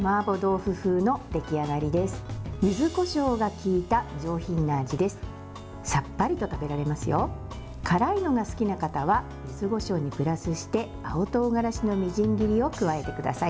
辛いのが好きな方は柚子こしょうにプラスして青とうがらしのみじん切りを加えてください。